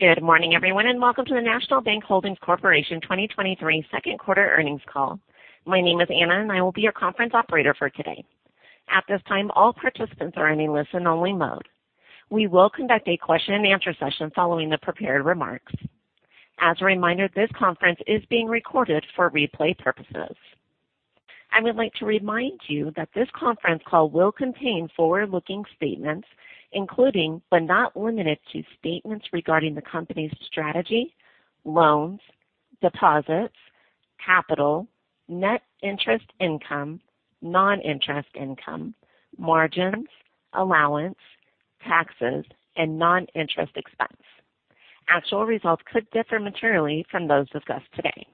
Good morning, everyone, and welcome to the National Bank Holdings Corporation 2023 2Q earnings call. My name is Anna, and I will be your conference operator for today. At this time, all participants are in a listen-only mode. We will conduct a question-and-answer session following the prepared remarks. As a reminder, this conference is being recorded for replay purposes. I would like to remind you that this conference call will contain forward-looking statements, including but not limited to, statements regarding the company's strategy, loans, deposits, capital, net interest income, non-interest income, margins, allowance, taxes, and non-interest expense. Actual results could differ materially from those discussed today.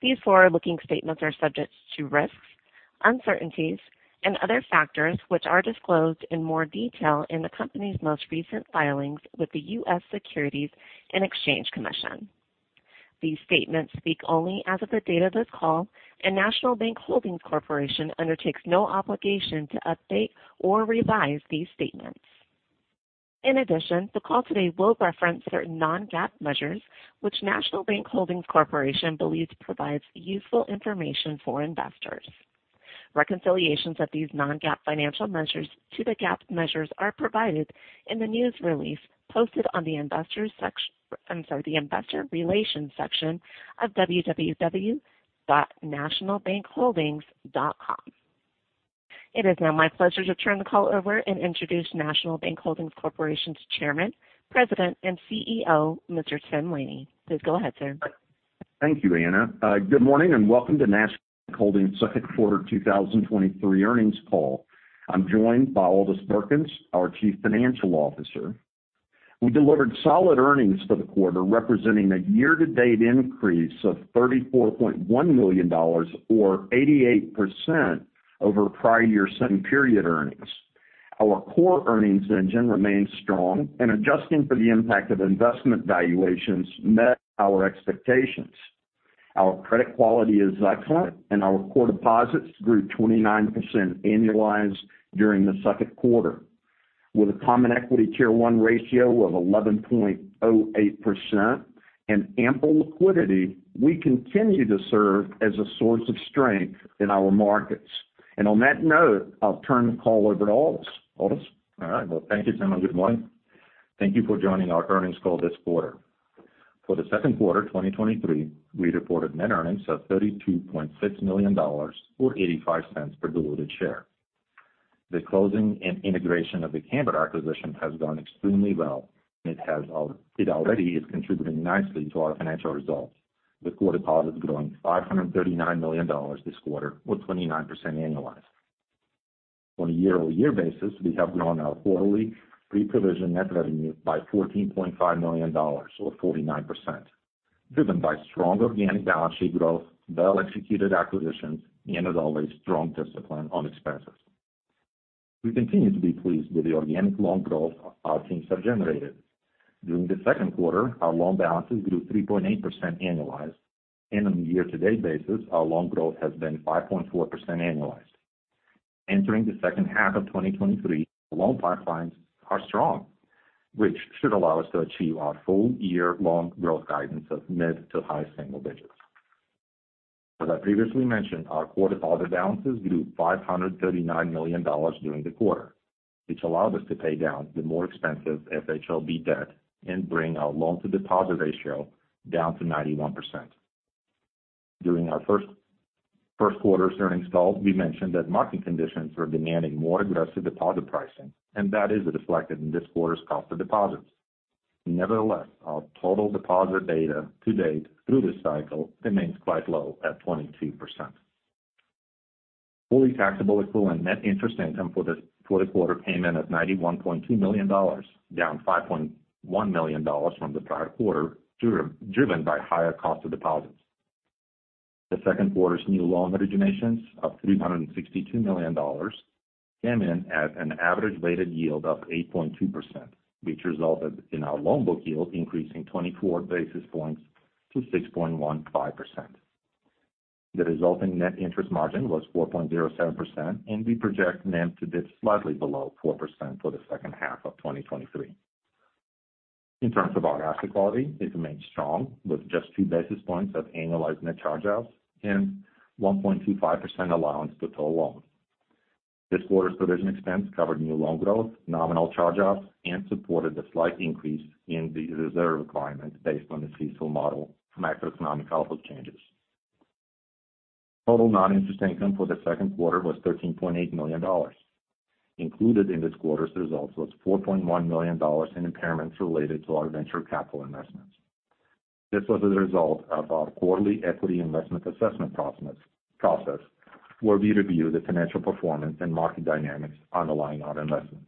These forward-looking statements are subject to risks, uncertainties, and other factors, which are disclosed in more detail in the company's most recent filings with the U.S. Securities and Exchange Commission. These statements speak only as of the date of this call, National Bank Holdings Corporation undertakes no obligation to update or revise these statements. In addition, the call today will reference certain non-GAAP measures, which National Bank Holdings Corporation believes provides useful information for investors. Reconciliations of these non-GAAP financial measures to the GAAP measures are provided in the news release posted on the investor relations section of www.nationalbankholdings.com. It is now my pleasure to turn the call over and introduce National Bank Holdings Corporation's Chairman, President, and Chief Executive Officer, Mr. Tim Laney. Please go ahead, sir. Thank you, Anna. Good morning, and welcome to National Bank Holdings second quarter 2023 earnings call. I'm joined by Aldis Birkans, our Chief Financial Officer. We delivered solid earnings for the quarter, representing a year-to-date increase of $34.1 million or 88% over prior year same period earnings. Our core earnings engine remains strong and adjusting for the impact of investment valuations met our expectations. Our credit quality is excellent, and our core deposits grew 29% annualized during the second quarter. With a Common Equity Tier 1 ratio of 11.08% and ample liquidity, we continue to serve as a source of strength in our markets. On that note, I'll turn the call over to Aldis. Aldis? All right. Well, thank you, Tim, and good morning. Thank you for joining our earnings call this quarter. For the second quarter 2023, we reported net earnings of $32.6 million, or $0.85 per diluted share. The closing and integration of the Cambr acquisition has gone extremely well. It already is contributing nicely to our financial results, with core deposits growing $539 million this quarter, or 29% annualized. On a year-over-year basis, we have grown our quarterly pre-provision net revenue by $14.5 million, or 49%, driven by strong organic balance sheet growth, well-executed acquisitions, and as always, strong discipline on expenses. We continue to be pleased with the organic loan growth our teams have generated. During the second quarter, our loan balances grew 3.8% annualized. On a year-to-date basis, our loan growth has been 5.4% annualized. Entering the second half of 2023, loan pipelines are strong, which should allow us to achieve our full year loan growth guidance of mid to high single digits. As I previously mentioned, our core deposit balances grew $539 million during the quarter, which allowed us to pay down the more expensive FHLB debt and bring our loan-to-deposit ratio down to 91%. During our first quarter's earnings call, we mentioned that market conditions were demanding more aggressive deposit pricing. That is reflected in this quarter's cost of deposits. Nevertheless, our total deposit beta to date through this cycle remains quite low at 22%. Fully taxable equivalent net interest income for the quarter came in at $91.2 million, down $5.1 million from the prior quarter, driven by higher cost of deposits. The second quarter's new loan originations of $362 million came in at an average weighted yield of 8.2%, which resulted in our loan book yield increasing 24 basis points to 6.15%. The resulting net interest margin was 4.07%. We project NIM to dip slightly below 4% for the second half of 2023. In terms of our asset quality, it remains strong, with just 2 basis points of annualized net charge-offs and 1.25% allowance for total loans. This quarter's provision expense covered new loan growth, nominal charge-offs, and supported the slight increase in the reserve requirement based on the CECL model from macroeconomic output changes. Total non-interest income for the second quarter was $13.8 million. Included in this quarter's results was $4.1 million in impairments related to our venture capital investments. This was a result of our quarterly equity investment assessment process, where we review the financial performance and market dynamics underlying our investments.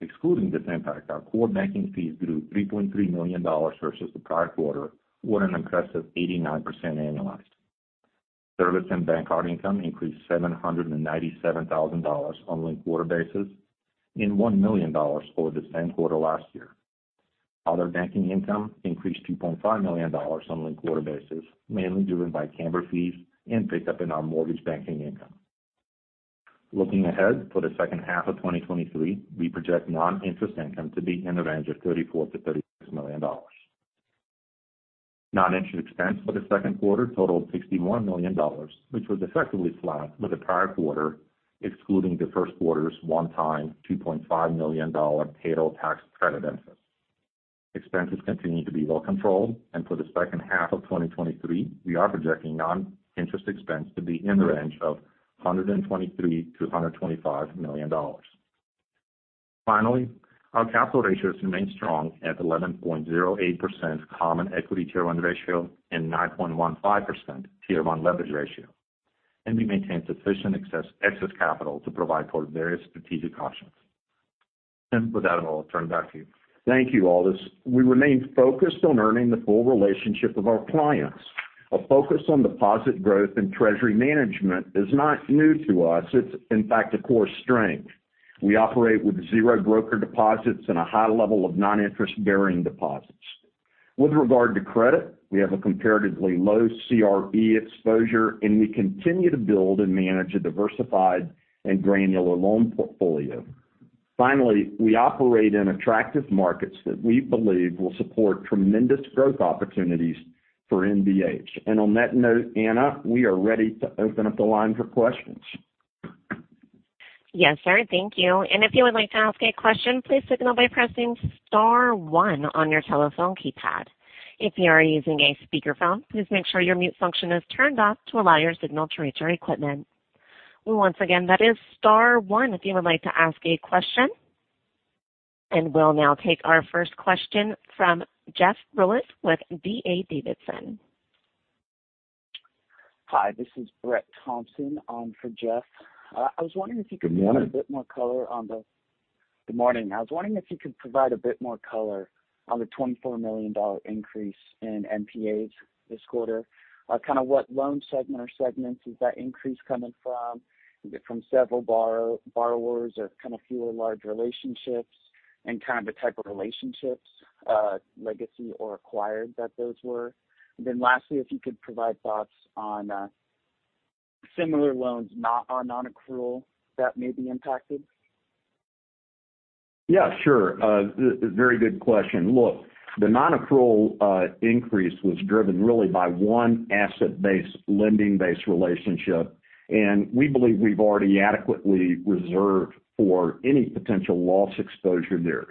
Excluding this impact, our core banking fees grew $3.3 million versus the prior quarter, with an impressive 89% annualized. Service and bank card income increased $797,000 on a linked-quarter basis and $1 million over the same quarter last year. Other banking income increased $2.5 million on a linked-quarter basis, mainly driven by Cambr fees and pickup in our mortgage banking income. Looking ahead for the second half of 2023, we project non-interest income to be in the range of $34 million-$36 million. Non-interest expense for the second quarter totaled $61 million, which was effectively flat for the prior quarter, excluding the first quarter's one-time, $2.5 million payroll tax credit interest. Expenses continue to be well controlled, for the second half of 2023, we are projecting non-interest expense to be in the range of $123 million-$125 million. Finally, our capital ratios remain strong at 11.08% Common Equity Tier 1 ratio and 9.15% Tier 1 leverage ratio, and we maintain sufficient excess capital to provide for various strategic options. With that, I'll turn it back to you. Thank you, Aldis. We remain focused on earning the full relationship of our clients. A focus on deposit growth and treasury management is not new to us, it's in fact, a core strength. We operate with zero broker deposits and a high level of non-interest-bearing deposits. With regard to credit, we have a comparatively low CRE exposure, and we continue to build and manage a diversified and granular loan portfolio. Finally, we operate in attractive markets that we believe will support tremendous growth opportunities for NBH. On that note, Anna, we are ready to open up the line for questions. Yes, sir. Thank you. If you would like to ask a question, please signal by pressing star one on your telephone keypad. If you are using a speakerphone, please make sure your mute function is turned off to allow your signal to reach our equipment. Once again, that is star one, if you would like to ask a question. We'll now take our first question from Jeff Rulis with D.A. Davidson. Hi, this is Brett Thompson on for Jeff. I was wondering. Good morning. Good morning. I was wondering if you could provide a bit more color on the $24 million increase in NPAs this quarter? Kind of what loan segment or segments is that increase coming from? Is it from several borrowers or kind of fewer large relationships? Kind of the type of relationships, legacy or acquired that those were. Then lastly, if you could provide thoughts on similar loans, not on nonaccrual that may be impacted. Yeah, sure. Very good question. Look, the nonaccrual increase was driven really by one asset-based, lending-based relationship, and we believe we've already adequately reserved for any potential loss exposure there.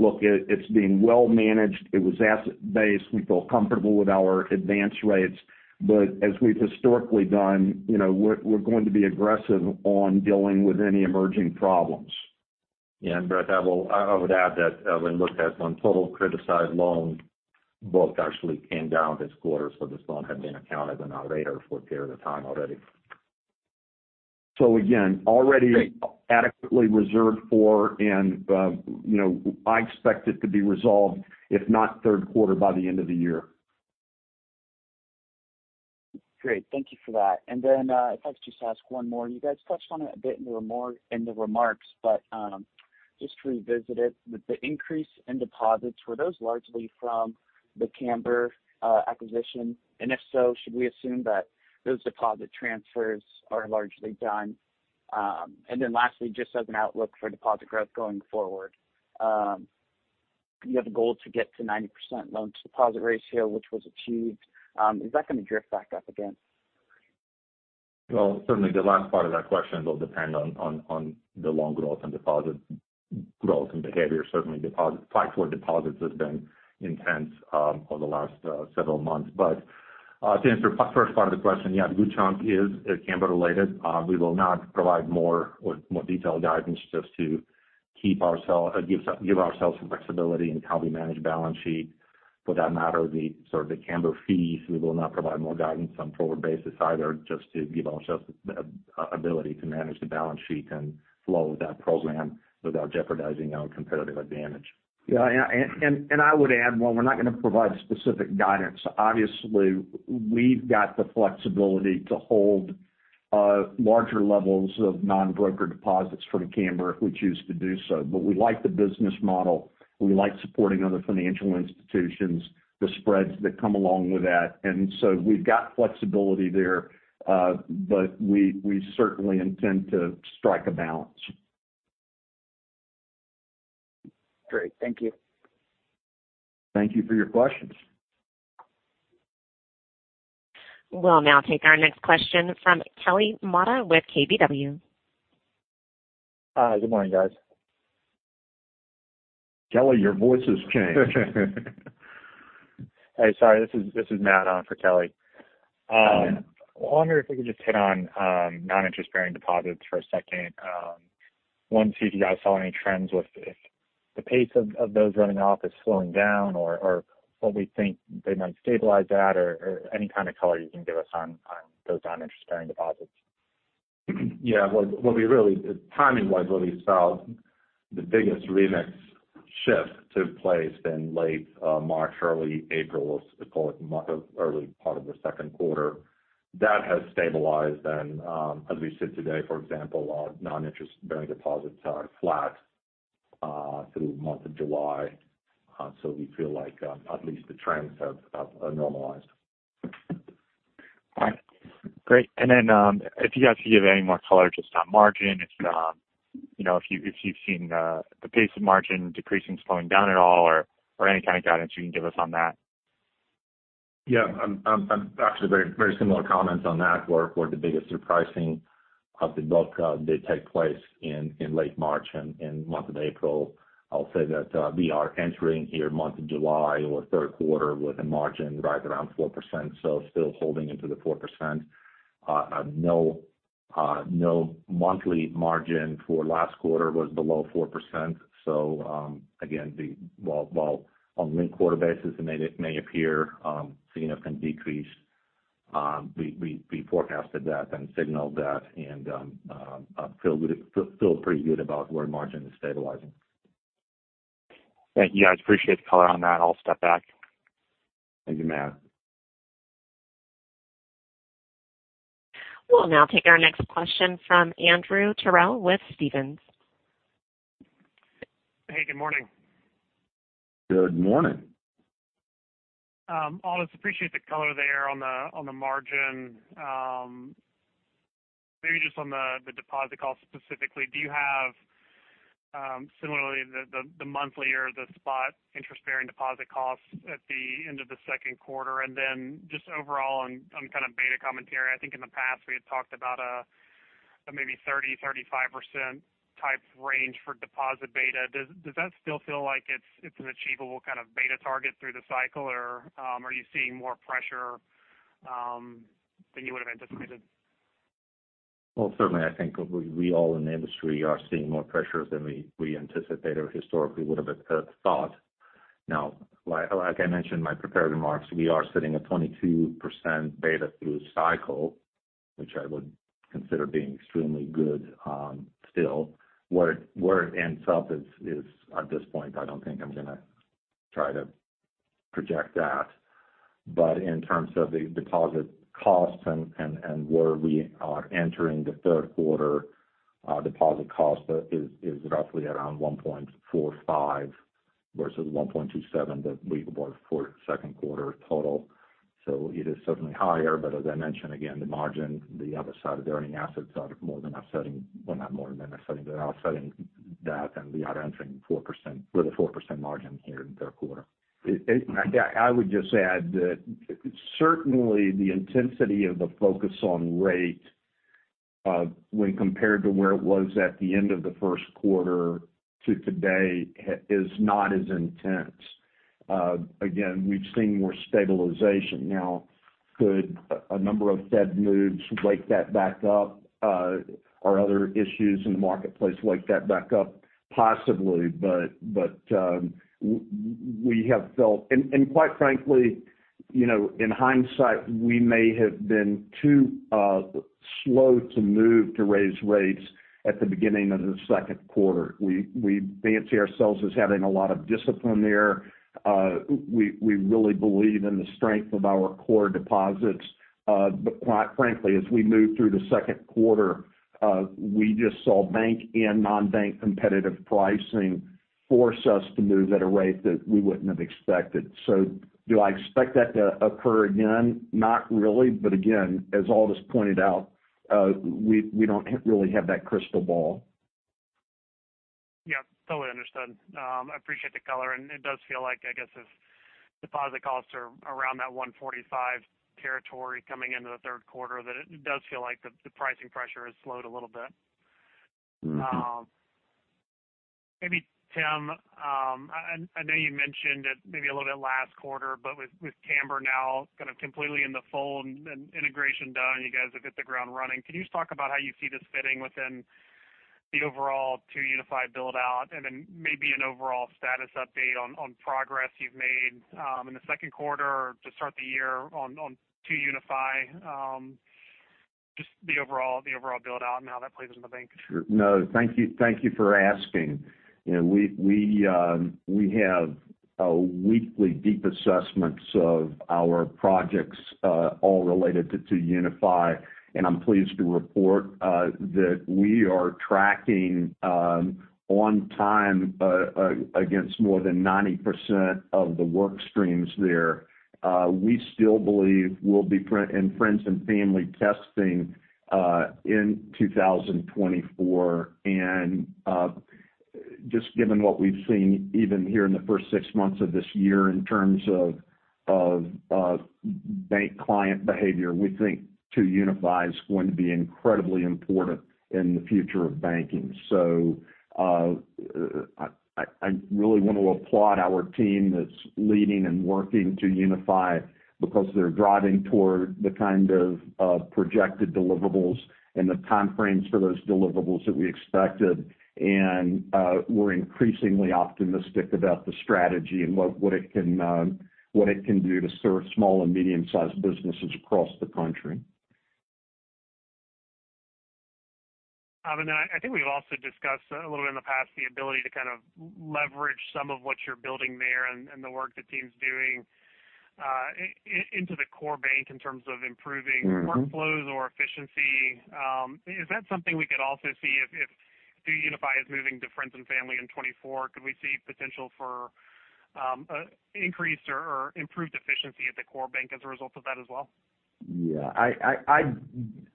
Look, it's being well managed. It was asset-based. We feel comfortable with our advance rates, but as we've historically done, you know, we're going to be aggressive on dealing with any emerging problems. Yeah, Brett, I would add that when looked at on total criticized loan, both actually came down this quarter, so this loan had been accounted and on radar for a period of time already. Again, already adequately reserved for and, you know, I expect it to be resolved, if not third quarter, by the end of the year. Great. Thank you for that. If I could just ask one more. You guys touched on it a bit in the remarks, but, just to revisit it. With the increase in deposits, were those largely from the Cambr acquisition? If so, should we assume that those deposit transfers are largely done? Lastly, just as an outlook for deposit growth going forward, you have a goal to get to 90% loan-to-deposit ratio, which was achieved. Is that going to drift back up again? Well, certainly the last part of that question will depend on the loan growth and deposit growth and behavior. Certainly, deposit, price for deposits has been intense over the last several months. To answer the first part of the question, yeah, a good chunk is Cambr related. We will not provide more detailed guidance just to keep ourselves give ourselves some flexibility in how we manage balance sheet. For that matter, the sort of the Cambr fees, we will not provide more guidance on forward basis either, just to give ourselves the ability to manage the balance sheet and flow that program without jeopardizing our competitive advantage. Yeah, and I would add, while we're not going to provide specific guidance, obviously, we've got the flexibility to hold, larger levels of non-broker deposits for the Cambr, if we choose to do so. We like the business model, we like supporting other financial institutions, the spreads that come along with that. We've got flexibility there, but we certainly intend to strike a balance. Great. Thank you. Thank you for your questions. We'll now take our next question from Kelly Motta with KBW. Hi, good morning, guys. Kelly, your voice has changed. Hey, sorry, this is Matt on for Kelly. Hi, Matt. I wonder if we could just hit on, non-interest-bearing deposits for a second. One, see if you guys saw any trends with if the pace of those running off is slowing down or what we think they might stabilize at, or any kind of color you can give us on those non-interest-bearing deposits. What we really, timing wise, what we saw, the biggest remix shift took place in late March, early April, let's call it, early part of the second quarter. That has stabilized and, as we sit today, for example, our non-interest-bearing deposits are flat through the month of July. We feel like at least the trends have normalized. Great. If you guys could give any more color just on margin, if you've seen the pace of margin decreasing, slowing down at all, or any kind of guidance you can give us on that? Yeah, actually very, very similar comments on that, where the biggest repricing of the book did take place in late March and in month of April. I'll say that we are entering here month of July or third quarter with a margin right around 4%, so still holding into the 4%. No monthly margin for last quarter was below 4%. Again, the while on linked quarter basis, it may appear significant decrease, we forecasted that and signaled that, and I feel pretty good about where margin is stabilizing. Thank you, guys. Appreciate the color on that. I'll step back. Thank you, Matt. We'll now take our next question from Andrew Terrell with Stephens. Hey, good morning. Good morning. Aldis, appreciate the color there on the, on the margin. Maybe just on the deposit cost specifically, do you have, similarly, the, the monthly or the spot interest-bearing deposit costs at the end of the second quarter? Just overall on kind of beta commentary, I think in the past, we had talked about a maybe 30%-35% type range for deposit beta. Does that still feel like it's an achievable kind of beta target through the cycle, or are you seeing more pressure than you would have anticipated? Certainly, I think we all in the industry are seeing more pressure than we anticipated or historically would have thought. Like I mentioned in my prepared remarks, we are sitting at 22% beta through the cycle, which I would consider being extremely good still. Where it ends up is at this point, I don't think I'm gonna try to project that. In terms of the deposit costs and where we are entering the third quarter, deposit cost is roughly around 1.45% versus 1.27% that we reported for second quarter total. It is certainly higher, but as I mentioned, again, the margin, the other side of the earning assets are more than offsetting, well, not more than offsetting, but offsetting that, and we are entering with a 4% margin here in the third quarter. I would just add that certainly the intensity of the focus on rate, when compared to where it was at the end of the first quarter to today, is not as intense. Again, we've seen more stabilization. Now, could a number of Fed moves wake that back up, or other issues in the marketplace wake that back up? Possibly, but we have felt. Quite frankly, you know, in hindsight, we may have been too slow to move to raise rates at the beginning of the second quarter. We fancy ourselves as having a lot of discipline there. We really believe in the strength of our core deposits. Quite frankly, as we moved through the second quarter, we just saw bank and non-bank competitive pricing force us to move at a rate that we wouldn't have expected. Do I expect that to occur again? Not really. Again, as Aldis pointed out, we don't really have that crystal ball. Yeah, totally understood. I appreciate the color, it does feel like, I guess, if deposit costs are around that 1.45% territory coming into the third quarter, that it does feel like the pricing pressure has slowed a little bit. Mm-hmm. Maybe, Tim, I know you mentioned it maybe a little bit last quarter, but with Cambr now kind of completely in the fold and integration done, you guys have hit the ground running. Can you just talk about how you see this fitting within the overall 2UniFi build-out, and then maybe an overall status update on progress you've made in the second quarter to start the year on 2UniFi, just the overall build-out and how that plays in the bank? Sure. No, thank you, thank you for asking. You know, we have weekly deep assessments of our projects, all related to 2UniFi, and I'm pleased to report that we are tracking on time against more than 90% of the work streams there. We still believe we'll be in friends and family testing in 2024. Just given what we've seen even here in the first six months of this year in terms of bank client behavior, we think 2UniFi is going to be incredibly important in the future of banking. I really want to applaud our team that's leading and working 2UniFi because they're driving toward the kind of projected deliverables and the time frames for those deliverables that we expected. We're increasingly optimistic about the strategy and what it can, what it can do to serve small and medium-sized businesses across the country. I think we've also discussed a little bit in the past, the ability to kind of leverage some of what you're building there and the work the team's doing. into the core bank in terms of improving. Mm-hmm. workflows or efficiency. Is that something we could also see if the 2UniFi is moving to friends and family in 2024? Could we see potential for increased or improved efficiency at the core bank as a result of that as well? Yeah,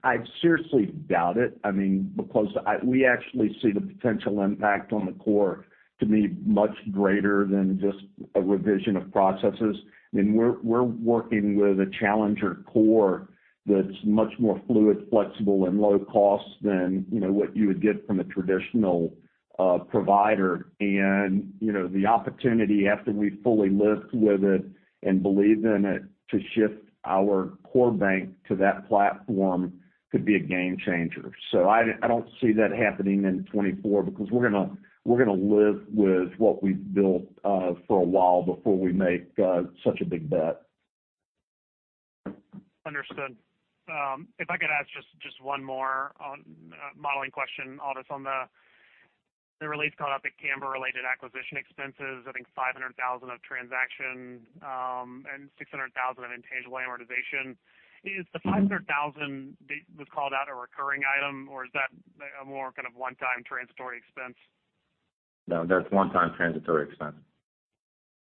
I seriously doubt it. I mean, because we actually see the potential impact on the core to be much greater than just a revision of processes. I mean, we're working with a challenger core that's much more fluid, flexible, and low cost than, you know, what you would get from a traditional provider. You know, the opportunity after we fully live with it and believe in it, to shift our core bank to that platform could be a game changer. I don't see that happening in 2024 because we're gonna live with what we've built for a while before we make such a big bet. Understood. If I could ask just one more on modeling question, Aldis, on the release called out the Cambr-related acquisition expenses, I think $500,000 of transaction, and $600,000 in intangible amortization. Is the $500,000 that was called out a recurring item, or is that a more kind of one-time transitory expense? No, that's one-time transitory expense.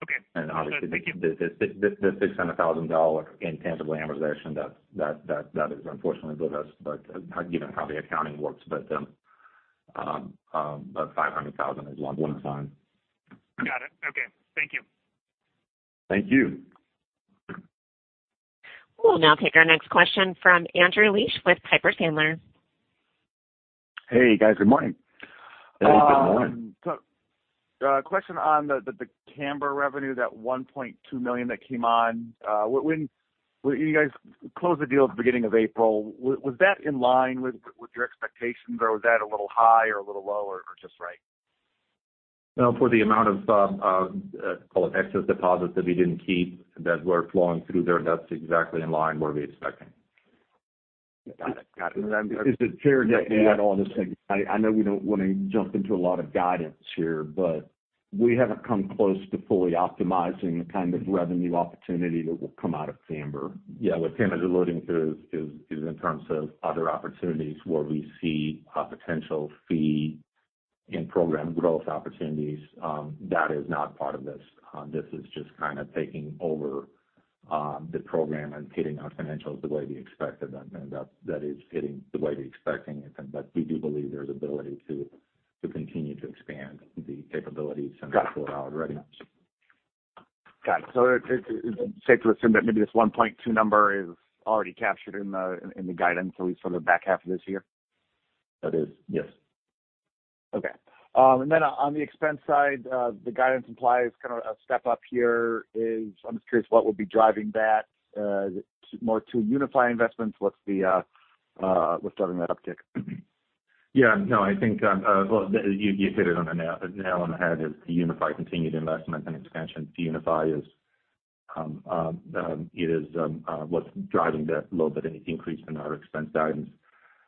Okay. And obviously- Thank you. The $600,000 intangible amortization, that is unfortunately with us, but given how the accounting works, but the $500,000 is one time. Got it. Okay. Thank you. Thank you. We'll now take our next question from Andrew Liesch with Piper Sandler. Hey, guys, good morning. Good morning. A question on the Cambr revenue, that $1.2 million that came on, when you guys closed the deal at the beginning of April, was that in line with your expectations, or was that a little high or a little low or just right? For the amount of, call it excess deposits that we didn't keep, that were flowing through there, that's exactly in line what we expecting. Got it. Got it. Is it fair to add on this thing? I know we don't want to jump into a lot of guidance here, but we haven't come close to fully optimizing the kind of revenue opportunity that will come out of Cambr. Yeah, what Tim is alluding to is in terms of other opportunities where we see a potential fee in program growth opportunities, that is not part of this. This is just kind of taking over the program and hitting our financials the way we expected, and that is hitting the way we expecting it. We do believe there's ability to continue to expand the capabilities. Got it. pull it out readiness. Got it. It's safe to assume that maybe this 1.2 number is already captured in the guidance at least for the back half of this year? That is, yes. Okay. On the expense side, the guidance implies kind of a step up here. I'm just curious what would be driving that, more to 2UniFi investments. What's the, what's driving that uptick? No, I think you hit it on the nail on the head, is the 2UniFi continued investment and expansion. The 2UniFi is what's driving that little bit increase in our expense guidance.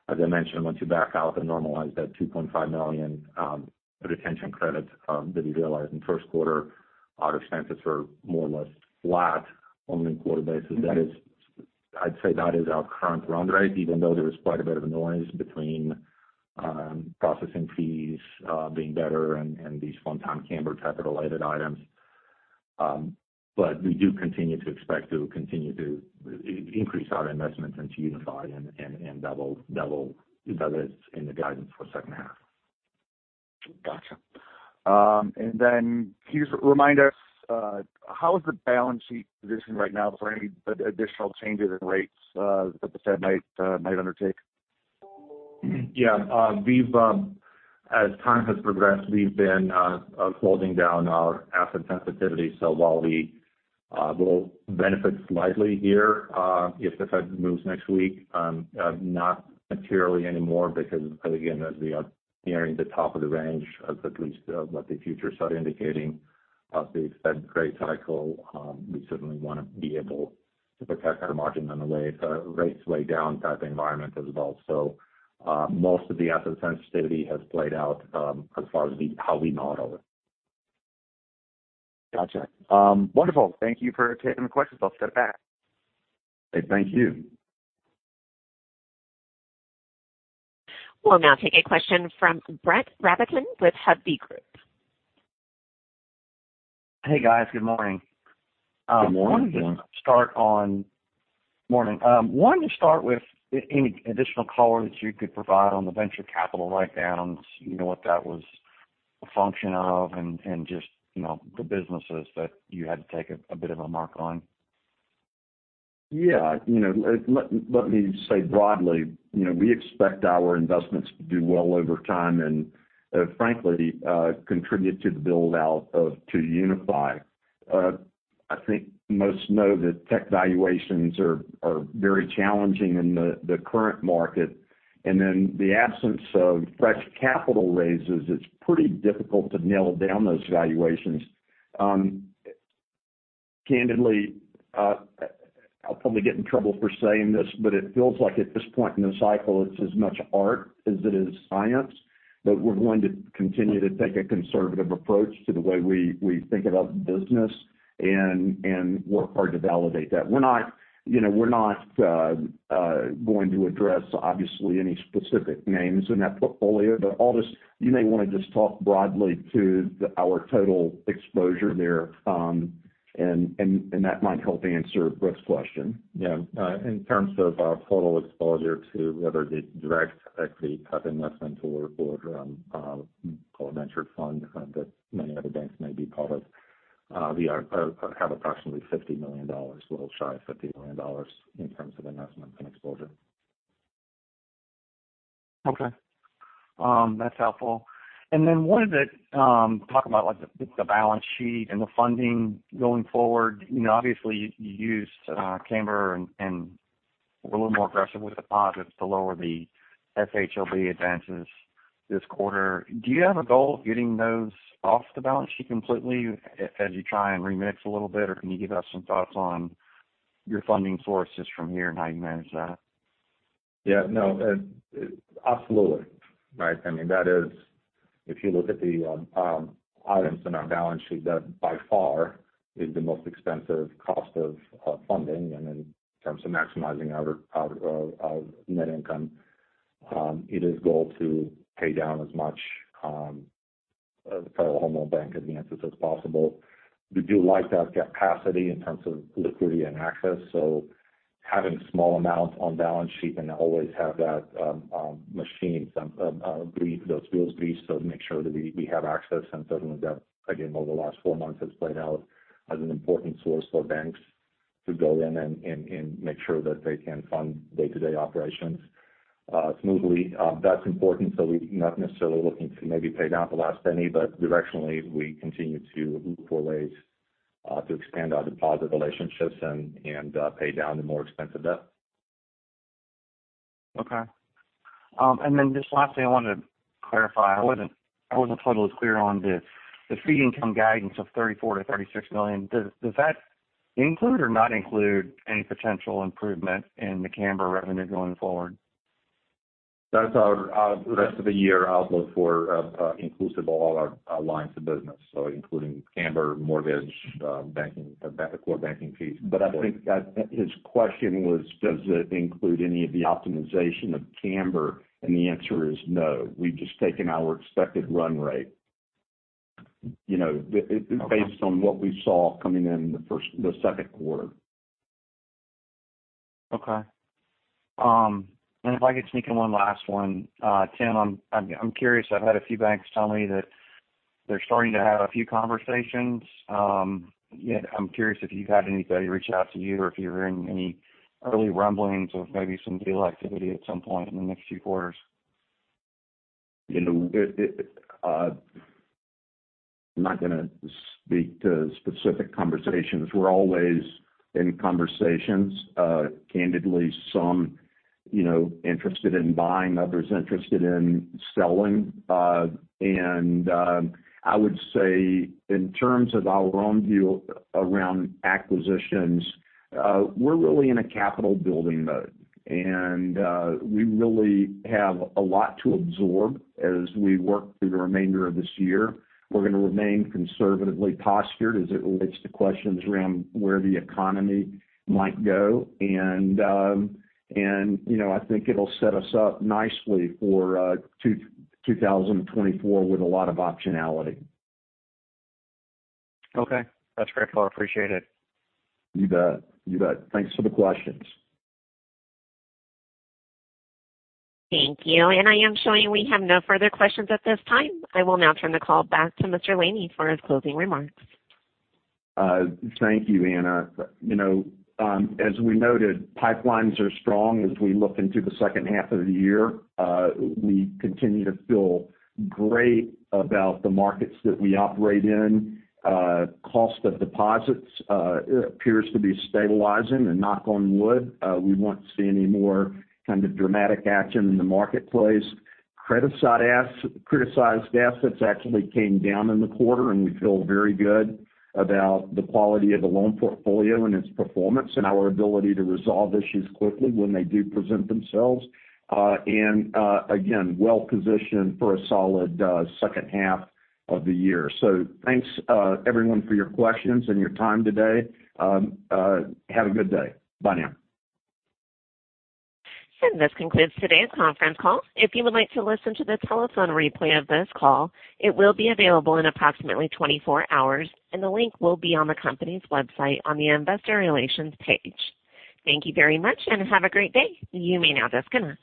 I mentioned, once you back out and normalize that $2.5 million retention credit that we realized in the first quarter, our expenses are more or less flat on a quarter basis. That is, I'd say that is our current run rate, even though there is quite a bit of noise between processing fees being better and these one-time Cambr capital items. We do continue to expect to continue to increase our investments into 2UniFi and that will, that is in the guidance for second half. Gotcha. Can you just remind us, how is the balance sheet positioned right now for any additional changes in rates that the Fed might undertake? Yeah, we've as time has progressed, we've been folding down our asset sensitivity. While we will benefit slightly here, if the Fed moves next week, not materially anymore, because, again, as we are nearing the top of the range of at least what the future start indicating of the Fed rate cycle, we certainly want to be able to protect our margin in a way, so rates way down type environment as well. Most of the asset sensitivity has played out as far as we, how we model it. Gotcha. Wonderful. Thank you for taking the questions. I'll step back. Hey, thank you. We'll now take a question from Brett Rabatin with Hovde Group. Hey, guys. Good morning. Good morning. Morning. Wanted to start with any additional color that you could provide on the venture capital write-downs, you know, what that was a function of and just, you know, the businesses that you had to take a bit of a mark on? Yeah, you know, let me say broadly, you know, we expect our investments to do well over time and, frankly, contribute to the build-out of, 2UniFi. I think most know that tech valuations are very challenging in the current market, and then the absence of fresh capital raises, it's pretty difficult to nail down those valuations. Candidly, I'll probably get in trouble for saying this, but it feels like at this point in the cycle, it's as much art as it is science. We're going to continue to take a conservative approach to the way we think about the business and work hard to validate that. We're not, you know, going to address, obviously, any specific names in that portfolio. Aldis, you may want to just talk broadly to the, our total exposure there, and that might help answer Brooke's question. Yeah. In terms of our total exposure to whether it's direct equity type investment or, co-venture fund that many other banks may be part of, we have approximately $50 million, a little shy of $50 million in terms of investment and exposure. Okay. That's helpful. Wanted to talk about, like, the balance sheet and the funding going forward. You know, obviously, you used Cambr and were a little more aggressive with the deposits to lower the FHLB advances this quarter. Do you have a goal of getting those off the balance sheet completely as you try and remix a little bit? Or can you give us some thoughts on your funding sources from here and how you manage that? Yeah, no, absolutely, right? I mean, that is if you look at the items in our balance sheet, that by far is the most expensive cost of funding. In terms of maximizing our net income, it is goal to pay down as much as the Federal Home Loan Bank advances as possible. We do like to have capacity in terms of liquidity and access, so having small amounts on balance sheet and always have that machine greased, those wheels greased, so to make sure that we have access. Certainly that, again, over the last four months, has played out as an important source for banks to go in and make sure that they can fund day-to-day operations smoothly. That's important, so we're not necessarily looking to maybe pay down the last penny, but directionally, we continue to look for ways to expand our deposit relationships and pay down the more expensive debt. Okay. just lastly, I wanted to clarify, I wasn't totally clear on the fee income guidance of $34 million-$36 million. Does that include or not include any potential improvement in the Cambr revenue going forward? That's our rest of the year outlook for inclusive of all our lines of business, so including Cambr, mortgage, banking, the core banking piece. I think that his question was, does it include any of the optimization of Cambr? The answer is no. We've just taken our expected run rate, you know. Okay. Based on what we saw coming in the second quarter. Okay. If I could sneak in one last one. Tim, I'm curious, I've had a few banks tell me that they're starting to have a few conversations. Yet I'm curious if you've had anybody reach out to you or if you're hearing any early rumblings of maybe some deal activity at some point in the next few quarters. You know, I'm not going to speak to specific conversations. We're always in conversations. Candidly, some, you know, interested in buying, others interested in selling. I would say in terms of our own view around acquisitions, we're really in a capital building mode, we really have a lot to absorb as we work through the remainder of this year. We're going to remain conservatively postured as it relates to questions around where the economy might go. You know, I think it'll set us up nicely for 2024 with a lot of optionality. Okay. That's very cool. I appreciate it. You bet. You bet. Thanks for the questions. Thank you. I am showing we have no further questions at this time. I will now turn the call back to Mr. Laney for his closing remarks. Thank you, Anna. You know, as we noted, pipelines are strong as we look into the second half of the year. We continue to feel great about the markets that we operate in. Cost of deposits appears to be stabilizing. Knock on wood, we won't see any more kind of dramatic action in the marketplace. Criticized assets actually came down in the quarter. We feel very good about the quality of the loan portfolio and its performance, and our ability to resolve issues quickly when they do present themselves. Again, well positioned for a solid second half of the year. Thanks, everyone, for your questions and your time today. Have a good day. Bye now. This concludes today's conference call. If you would like to listen to the telephone replay of this call, it will be available in approximately 24 hours. The link will be on the company's website on the Investor Relations page. Thank you very much. Have a great day. You may now disconnect.